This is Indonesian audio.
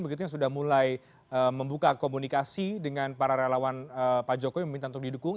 begitu yang sudah mulai membuka komunikasi dengan para relawan pak jokowi meminta untuk didukung